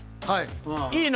はい。